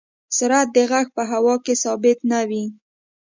سرعت د غږ په هوا کې ثابت نه وي.